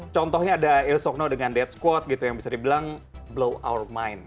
contohnya ada il socno dengan dead squat gitu yang bisa dibilang blow our mind